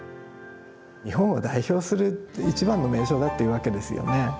日本を代表する一番の名所だって言うわけですよね。